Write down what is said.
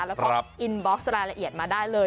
แล้วก็อินบ็อกซ์รายละเอียดมาได้เลย